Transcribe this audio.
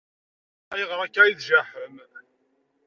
Ayɣer akka i tjaḥem?